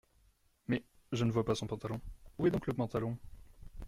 Mais je ne vois pas son pantalon !… où est donc le pantalon ?…